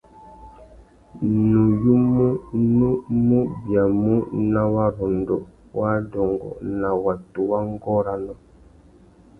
Nuyumú nú mù biamú nà warrôndô wa adôngô na watu wa ngôranô.